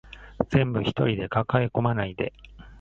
全部一人で抱え込まないで